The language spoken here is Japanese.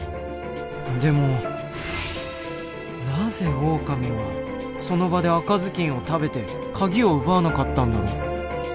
でもなぜオオカミはその場で赤ずきんを食べてカギを奪わなかったんだろう。